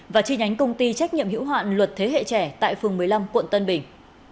và chi nhánh công ty trách nhiệm hữu hạn luật thế hệ trẻ tại phường một mươi năm quận tân bình